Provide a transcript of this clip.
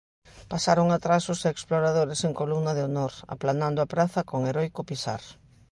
Pasaron atrás os Exploradores en columna de honor, aplanando a praza con heroico pisar.